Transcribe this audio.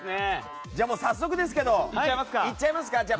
じゃあ早速ですけどいっちゃいますか。